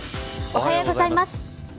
おはようございます。